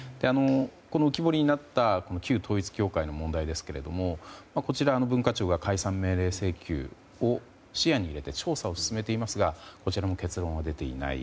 この浮き彫りになった旧統一教会の問題ですがこちら文化庁が解散命令請求を視野に入れて調査を進めていますがこちらも結論は出ていない。